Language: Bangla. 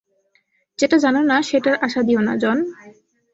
যেটা জানো না, সেটার আশা দিও না, জন।